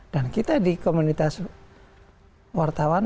dan kita di komunitas wartawan